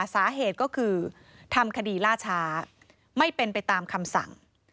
สาเหตุก็คือทำคดีล่าช้าไม่เป็นไปตามคำสั่ง